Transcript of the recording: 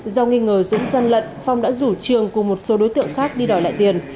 do nghi ngờ dũng gian lận phong đã rủ trường cùng một số đối tượng khác đi đòi lại tiền